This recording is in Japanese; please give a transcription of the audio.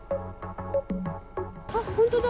あっ、本当だ。